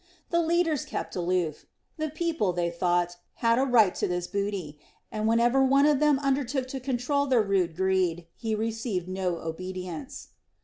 The leaders kept aloof; the people, they thought, had a right to this booty, and whenever one of them undertook to control their rude greed, he received no obedience.